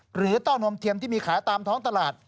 เต้านมเทียมที่มีขายตามท้องตลาด